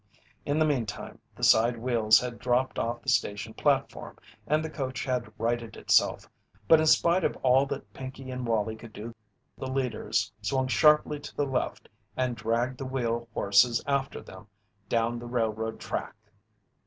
In the meantime the side wheels had dropped off the station platform and the coach had righted itself, but in spite of all that Pinkey and Wallie could do the leaders swung sharply to the left and dragged the wheel horses after them down the railroad track.